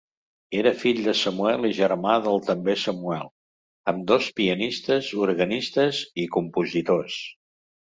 Era fill de Samuel i germà del també Samuel, ambdós pianistes, organistes i compositors.